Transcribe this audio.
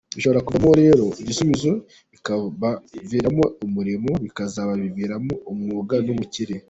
Bishobora kuvamo rero igisubizo bikabaviramo umurimo, bikazabaviramo umwuga n’ubukire.